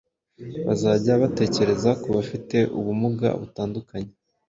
byazajya batekereza ku bafite ubumuga butandukanye.